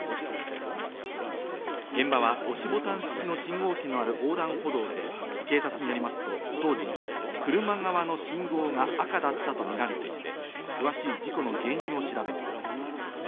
現場は押しボタン式の信号機のある横断歩道で警察によりますと当時、車側の信号が赤だったとみられていて、詳しい事故の原因を調べています。